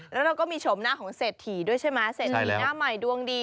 แล้วเราก็มีโฉมหน้าของเศรษฐีด้วยใช่ไหมเศรษฐีหน้าใหม่ดวงดี